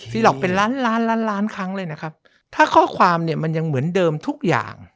หลอกเป็นล้านล้านล้านล้านครั้งเลยนะครับถ้าข้อความเนี่ยมันยังเหมือนเดิมทุกอย่าง